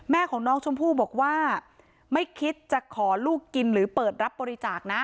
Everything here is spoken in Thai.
แม่ของน้องชมพู่บอกว่าไม่คิดจะขอลูกกินหรือเปิดรับบริจาคนะ